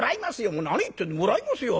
もう何言ってもらいますよ。